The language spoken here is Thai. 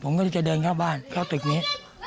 ผมก็จะเดินเข้าบ้านเข้าตึกนี้